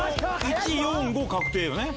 １・４・５確定よね。